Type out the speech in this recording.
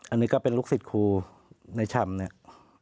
อันนี้ก็เป็นลูกศิษย์ครูในชำเนี่ย